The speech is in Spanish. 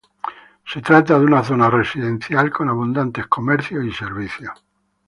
Se trata de una zona residencial con abundantes comercios y servicios.